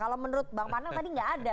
kalau menurut bang panang tadi enggak ada